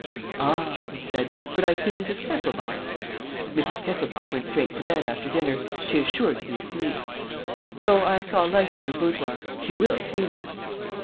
"Ah!" he said. "Could I see Mrs. Kesselbach?" "Mrs. Kesselbach went straight to bed after dinner. She is sure to be asleep." "No, I saw a light in her boudoir. She will see me."